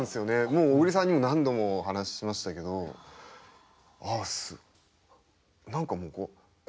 もう小栗さんにも何度もお話ししましたけど何かもう「こうですよね